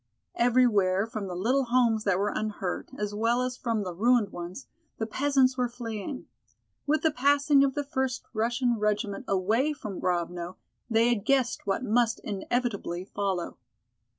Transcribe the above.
Everywhere, from the little homes that were unhurt, as well as from the ruined ones, the peasants were fleeing. With the passing of the first Russian regiment away from Grovno they had guessed what must inevitably follow.